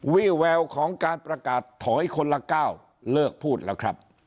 แววของการประกาศถอยคนละก้าวเลิกพูดแล้วครับ